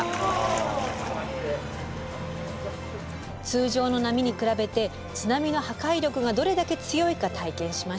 通常の波に比べて津波の破壊力がどれだけ強いか体験しました。